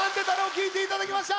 きいていただきました。